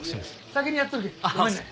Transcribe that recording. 先にやっとってごめんね。